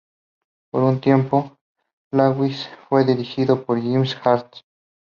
Por un tiempo Lawler fue dirigido por Jimmy Hart.